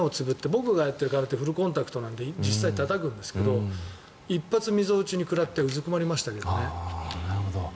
僕がやってる空手はフルコンタクトなので実際にたたくんですけど一発みぞおちに食らってうずくまりましたけどね。